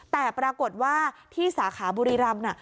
แต่ปรากฏว่าที่สาขาบุรีรำน่ะ